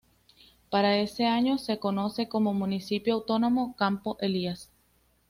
Para ese año, se conoce como Municipio Autónomo Campo Elías.